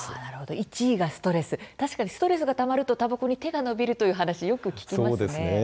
１位が確かにストレスがたまるとたばこに手が伸びるという話よく聞きますよね。